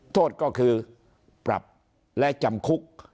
โทษก็คือปรับและจำคุก